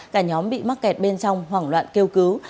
cả nhóm bị mắc kẹt bên trong hoảng loạn kêu cứu